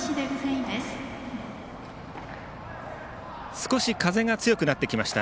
少し風が強くなってきました。